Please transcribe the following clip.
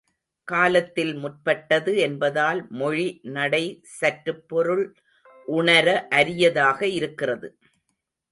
காலத்தில் முற்பட்டது என்பதால் மொழி நடை சற்றுப் பொருள் உணர அரியதாக இருக்கிறது.